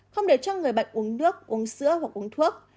không để cho người bệnh uống nước uống sữa hoặc uống thuốc